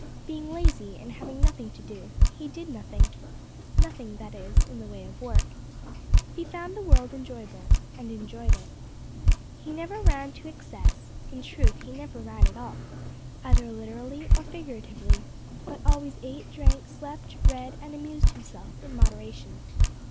Being lazy, and having nothing to do, he did nothing nothing, that is, in the way of work. He found the world enjoyable, and enjoyed it. He never ran to excess in truth he never ran at all, either literally or figuratively, but always ate, drank, slept, read, and amused himself in moderation.